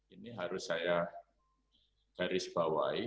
ini harus saya garis bawahi